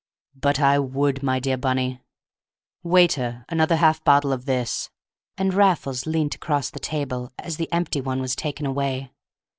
"But I would, my dear Bunny. Waiter! another half bottle of this," and Raffles leant across the table as the empty one was taken away.